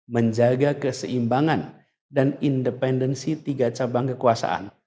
menjaga keseimbangan dan independensi tiga cabang kekuasaan